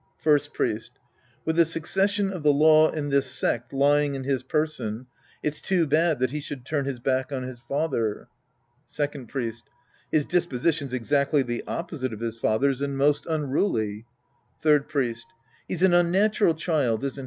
First Priest. With the succession of the law in this sect lying in his person, it's too bad that he should turn liis back on his father. Second Priest. His disposition's exactly the oppo site of his father's and most unruly. Third Priest. He's an unnatural cliild, isn't he ?